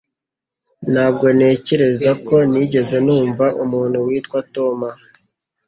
Ntabwo ntekereza ko nigeze numva umuntu witwa Toma.